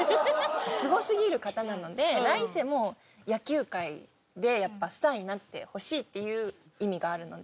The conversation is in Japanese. すごすぎる方なので来世も野球界でやっぱスターになってほしいっていう意味があるので。